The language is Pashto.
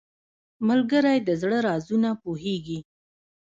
ملګری د زړه رازونه پوهیږي